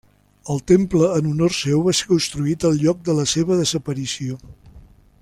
El temple en honor seu va ser construït al lloc de la seva desaparició.